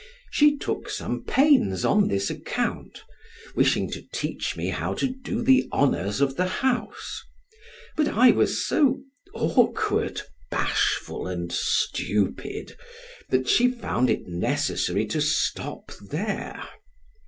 She took some pains on this account, wishing to teach me how to do the honors of the house; but I was so awkward, bashful, and stupid, that she found it necessary to stop there.